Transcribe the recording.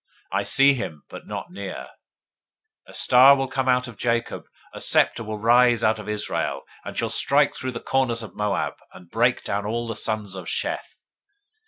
I see him, but not near. A star will come out of Jacob. A scepter will rise out of Israel, and shall strike through the corners of Moab, and break down all the sons of Sheth.